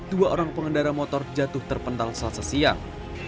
dua orang pengendara motor jatuh terpental selasa siang